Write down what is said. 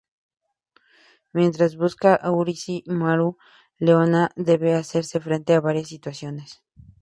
Mientras busca a Urushi-maru, Leona debe hacerle frente a varias situaciones.